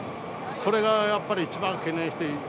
それがやっぱり一番懸念している。